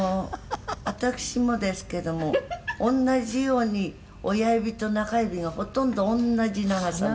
私もですけども同じように親指と中指がほとんど同じ長さなんです」